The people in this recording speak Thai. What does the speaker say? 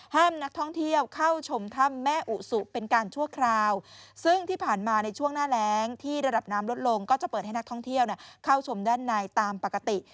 นักท่องเที่ยวเข้าชมถ้ำแม่อุสุเป็นการชั่วคราวซึ่งที่ผ่านมาในช่วงหน้าแรงที่ระดับน้ำลดลงก็จะเปิดให้นักท่องเที่ยวเข้าชมด้านในตามปกติ